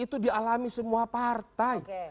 itu dialami semua partai